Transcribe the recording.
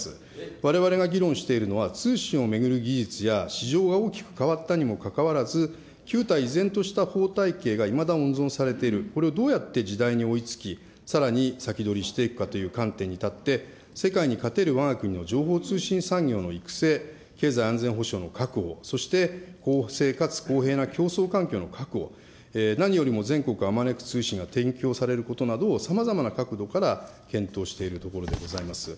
われわれが議論しているのは、通信を巡る技術や、市場が大きく変わったにもかかわらず、旧態依然とした法体系がいまだ温存されている、これをどうやって時代に追いつき、さらに先取りしていくかという観点に立って、世界に勝てるわが国の情報通信産業の育成、経済安全保障の確保、そしてかつ公平な競争環境の確保、何よりも全国あまねく通信が提供されることなど、さまざまな角度から検討しているところでございます。